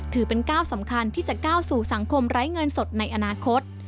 ถือเป็นก้าวสำคัญที่จะก้าวสู่สังคมไร้เงินสดในอนาคต